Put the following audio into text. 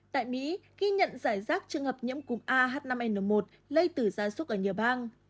tại mỹ ghi nhận giải rác trường hợp nhiễm cúm a h năm n một lây tử gia súc ở nhiều bang